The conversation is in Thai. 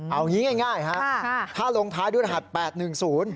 เอางี้ง่ายค่ะถ้าลงท้ายด้วยรหัส๘๑๐